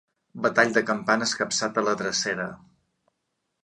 Batall de campana escapçat a la drecera.